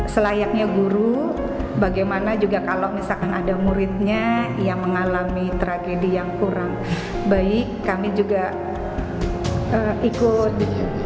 selayaknya guru bagaimana juga kalau misalkan ada muridnya yang mengalami tragedi yang kurang baik kami juga ikut